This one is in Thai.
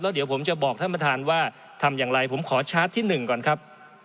เดี๋ยวผมจะบอกท่านประธานว่าทำอย่างไรผมขอชาร์จที่๑ก่อนครับ